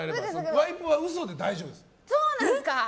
ワイプは嘘で大丈夫です。